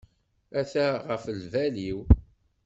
Ata ɣef lbal-iw.